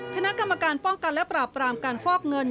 คณะกรรมการป้องกันและปราบปรามการฟอกเงิน